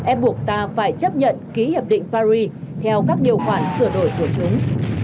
ép buộc ta phải chấp nhận ký hiệp định paris theo các điều khoản sửa đổi của chúng